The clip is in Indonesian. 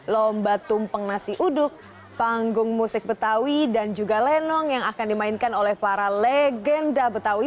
lomba tumpeng nasi uduk panggung musik betawi dan juga lenong yang akan dimainkan oleh para legenda betawi